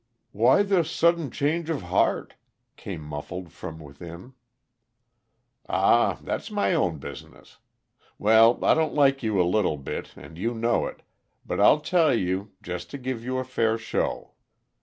"Why this sudden change of heart?" came muffled from within. "Ah that's my own business. Well, I don't like you a little bit, and you know it; but I'll tell you, just to give you a fair show.